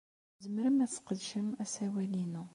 Tzemrem ad tesqedcem asawal-inu.